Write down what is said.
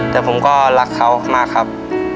แต่ผมก็รักเขามากครับ